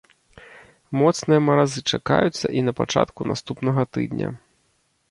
Моцныя маразы чакаюцца і на пачатку наступнага тыдня.